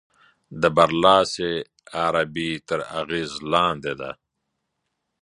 د برلاسې عربي تر اغېز لاندې ده.